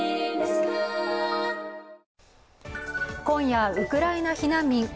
今夜、ウクライナ避難民